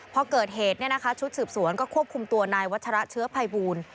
พอเกิดเหตุเนี่ยนะคะชุดสืบสวนก็ควบคุมตัวนายวัชระเชื้อไพบูล